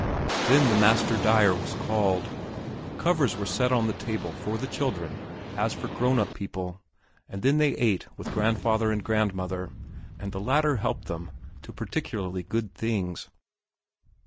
Then the master dyer was called. Covers were set on the table for the children as for grown up people and then they ate with grandfather and grandmother, and the latter helped them to particularly good things.